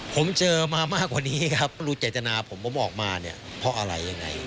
ผมเจอมามากกว่านี้ครับดูเจตนาผมออกมาเนี่ยเพราะอะไรยังไง